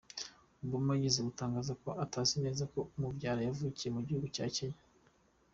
Obama yigeze gutangaza ko atazi neza se umubyara wavukiye mu gihugu cya Kenya.